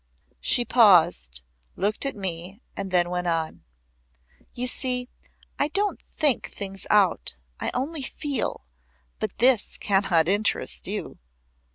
She paused; looked at me, and then went on: "You see, I don't think things out. I only feel. But this cannot interest you."